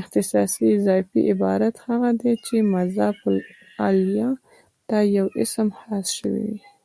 اختصاصي اضافي عبارت هغه دئ، چي مضاف الیه ته یو اسم خاص سوی يي.